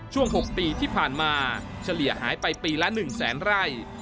ช่วง๖ปีที่ผ่านมาเฉลี่ยหายไปปีละ๑แสนไร่